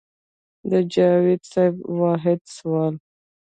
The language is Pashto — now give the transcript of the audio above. د جاوېد صېب واحد سوال